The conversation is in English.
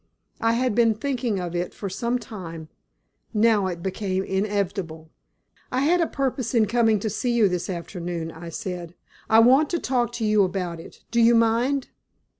I had been thinking of it for some time, now it became inevitable. "I had a purpose in coming to see you this afternoon," I said. "I want to talk to you about it. Do you mind?"